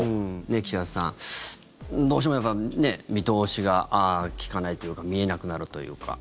岸田さんどうしても、やっぱりね見通しが利かないというか見えなくなるというか。